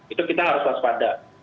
itu kita harus waspada